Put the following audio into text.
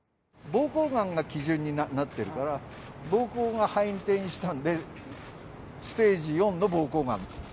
ぼうこうがんが基準になってるから、ぼうこうが肺に転移したんで、ステージ４のぼうこうがん。